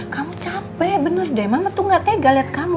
kamu capek bener deh mama tuh enggak tega liat kamu